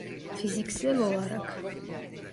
Fiziksel olarak.